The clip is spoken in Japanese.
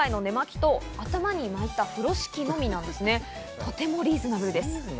とてもリーズナブルです。